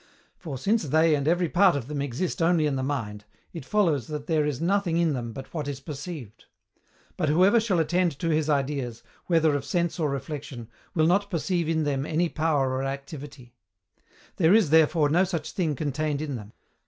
For, since they and every part of them exist only in the mind, it follows that there is nothing in them but what is perceived: but whoever shall attend to his ideas, whether of sense or reflexion, will not perceive in them any power or activity; there is, therefore, no such thing contained in them.